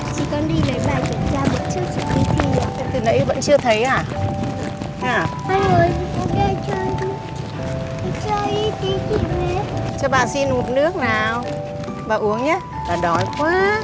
chị con đi lấy bài kiểm tra bữa trước chứ không thấy